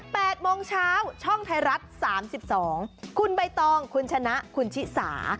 แปดโมงเช้าช่องไทยรัฐสามสิบสองคุณใบตองคุณชนะคุณชิสา